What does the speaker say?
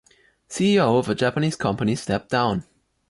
CEO of a Japanese company stepped down.